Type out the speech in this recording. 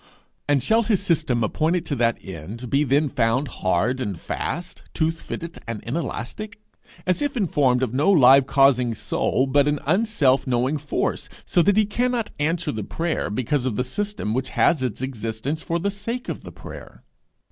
and shall his system appointed to that end be then found hard and fast, tooth fitted and inelastic, as if informed of no live causing soul, but an unself knowing force so that he cannot answer the prayer because of the system which has its existence for the sake of the prayer?